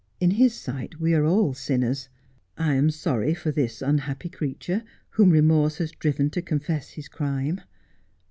' In His sight we are all sinners. I am sorry for this unhappy creature whom remorse has driven to confess his crime.'